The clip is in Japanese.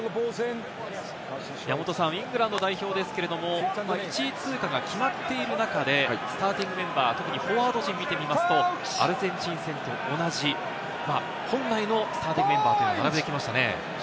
イングランド代表ですけれど、１位通過が決まっている中でスターティングメンバー、特にフォワード陣見てみますと、アルゼンチン戦と同じ本来のスターティングメンバーというのを並べてきましたね。